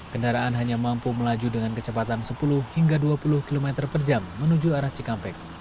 kendaraan hanya mampu melaju dengan kecepatan sepuluh hingga dua puluh km per jam menuju arah cikampek